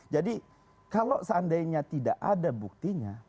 jadi kalau seandainya tidak ada buktinya